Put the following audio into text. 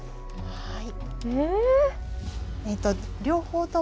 はい。